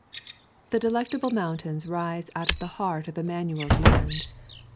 The Delectable Mountains rise out of the heart of Immanuel's Land.